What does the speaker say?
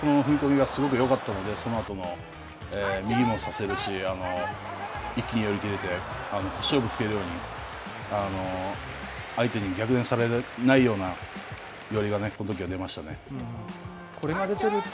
この踏み込みはすごくよかったので、そのあとの右も差せるし、一気に寄り切れて、勝負をつけれるように、相手に逆転されないような寄りが、これが出ていると。